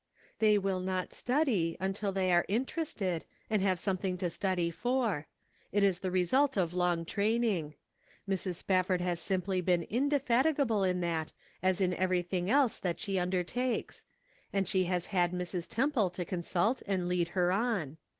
" They will not study, until they are inter ested, and have something to study for ; it is the result of long training. Mrs. Spafford has simply been indefatigable in that, as in every thing else that she undertakes ; and she has had Mrs. Temple to consult and lead her on.